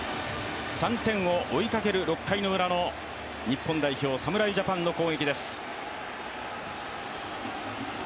３点を追いかける６回ウラの日本代表、侍ジャパンの攻撃です。